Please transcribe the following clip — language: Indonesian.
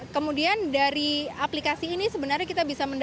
kemudian dari aplikasi ini sebenarnya kita bisa mendapatkan